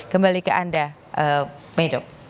kembali ke anda medok